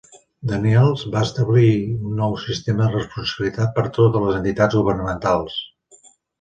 Daniels va establir un nou sistema de responsabilitat per a totes les entitats governamentals.